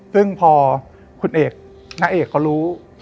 ซึ่งพอคุณเอกณเอกเขารู้